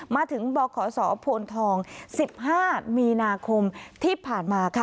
มาถึงบขโผลนทองสิบห้ามีนาคมที่ผ่านมา